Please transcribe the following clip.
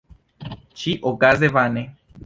Ĉi-okaze vane.